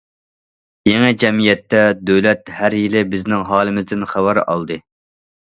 يېڭى جەمئىيەتتە، دۆلەت ھەر يىلى بىزنىڭ ھالىمىزدىن خەۋەر ئالدى.